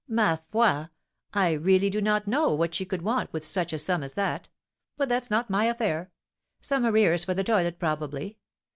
"Ma foi! I really do not know what she could want with such a sum as that. But that's not my affair. Some arrears for the toilet, probably?